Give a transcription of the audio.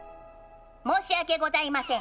申し訳ございません